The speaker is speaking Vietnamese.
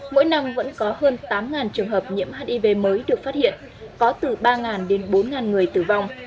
mỗi năm vẫn có hơn tám trường hợp nhiễm hiv mới được phát hiện có từ ba đến bốn người tử vong